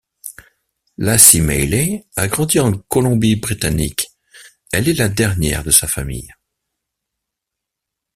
Laci Mailey a grandi en Colombie-Britannique, elle est la dernière de sa famille.